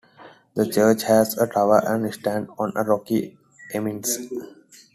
The church has a tower and stands on a rocky eminence.